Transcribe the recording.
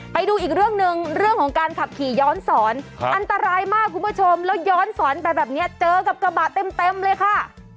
ไปดูอีกเรื่องหนึ่งเรื่องของการขับขี่ย้อนสอนอันตรายมากคุณผู้ชมแล้วย้อนสอนไปแบบนี้เจอกับกระบะเต็มเลยค่ะ